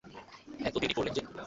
এতো দেরি করলেন যে?